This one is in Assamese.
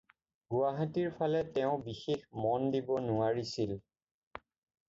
গুৱাহাটিৰ ফালে তেওঁ বিশেষ মন দিব নোৱাৰিছিল।